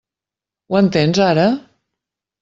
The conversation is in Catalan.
Ho entens ara?